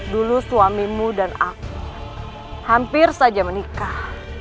dulu suamimu dan aku hampir saja menikah